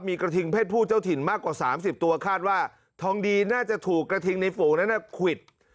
มีกระทิงเพศผู้เจ้าถิ่นมากกว่า๓๐ตัวคาดว่าทองดีน่าจะถูกกระทิงในฝูงนั้นควิด